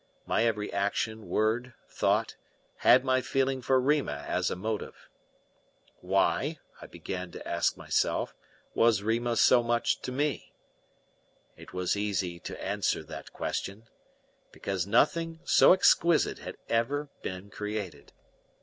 My every action, word, thought, had my feeling for Rima as a motive. Why, I began to ask myself, was Rima so much to me? It was easy to answer that question: Because nothing so exquisite had ever been created.